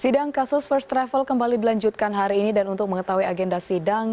sidang kasus first travel kembali dilanjutkan hari ini dan untuk mengetahui agenda sidang